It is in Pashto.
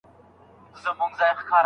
هغه پانګه چې بنده وه بېرته راخلاصه شوه.